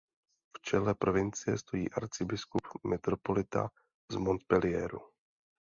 V čele provincie stojí "arcibiskup–metropolita z Montpellieru".